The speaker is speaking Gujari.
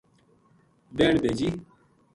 بہن بھجی